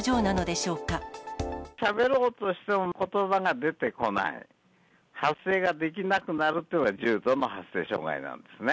しゃべろうとしてもことばが出てこない、発声ができなくなるというのが重度の発声障害なんですね。